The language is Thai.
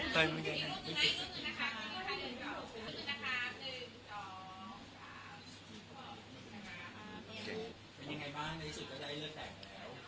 เป็นยังไงบ้างในสุดก็ได้เลือกแปลกแล้ว